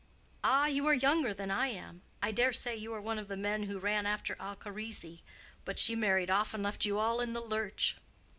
"Ah, you are younger than I am. I dare say you are one of the men who ran after Alcharisi. But she married off and left you all in the lurch."